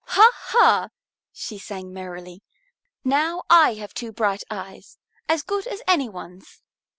"Ha, ha!" she sang merrily. "Now I have two bright eyes, as good as any one's.